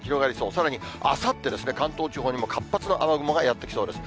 さらにあさってですね、関東地方に活発な雨雲がやって来そうです。